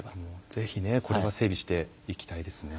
ぜひねこれは整備していきたいですね。